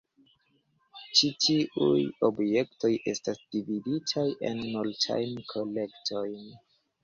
Ĉi tiuj objektoj estas dividitaj en multajn kolektojn.